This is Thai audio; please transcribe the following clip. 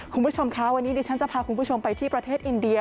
คุณผู้ชมคะวันนี้ดิฉันจะพาคุณผู้ชมไปที่ประเทศอินเดีย